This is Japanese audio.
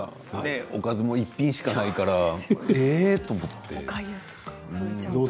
おかずも一品しかないからええっと思って。